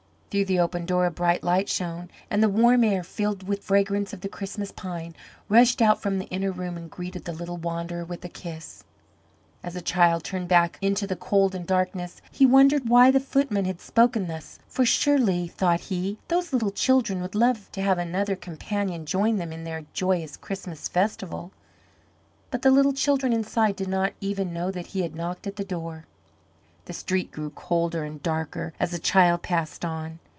Through the open door a bright light shone, and the warm air, filled with fragrance of the Christmas pine, rushed out from the inner room and greeted the little wanderer with a kiss. As the child turned back into the cold and darkness, he wondered why the footman had spoken thus, for surely, thought he, those little children would love to have another companion join them in their joyous Christmas festival. But the little children inside did not even know that he had knocked at the door. The street grew colder and darker as the child passed on.